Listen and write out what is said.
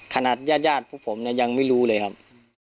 ญาติญาติพวกผมเนี่ยยังไม่รู้เลยครับ